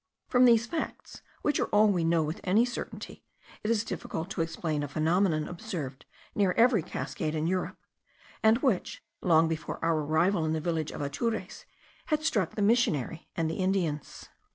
From these facts, which are all we know with any certainty, it is difficult to explain a phenomenon observed near every cascade in Europe, and which, long before our arrival in the village of Atures, had struck the missionary and the Indians.